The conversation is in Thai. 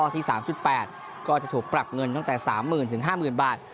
ที่สามจุดแปดก็จะถูกปรับเงินตั้งแต่สามหมื่นถึงห้าหมื่นบาท